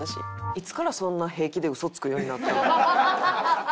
いつからそんな平気でウソつくようになったん？